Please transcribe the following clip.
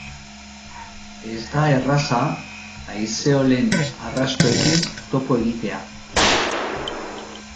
Ez da erraza haizeolen arrastoekin topo egitea,